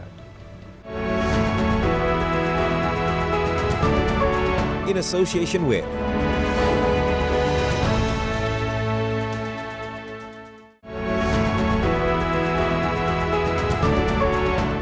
untuk bumg blangkrum